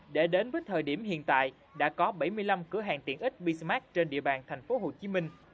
để đến với thời điểm hiện tại đã có bảy mươi năm cửa hàng tiện ích b smart trên địa bàn thành phố hồ chí minh